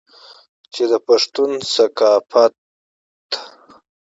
چې د پښتون ثقافت